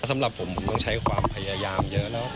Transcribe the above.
สำหรับผมผมต้องใช้ความพยายามเยอะแล้ว